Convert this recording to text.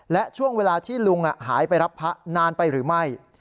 และช่วงเวลาที่ลุงหายไปรับพระนานไปหรือไม่